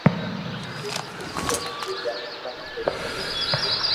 ڪي ھمجي جا نيتوڻ سھي ڪوئي نن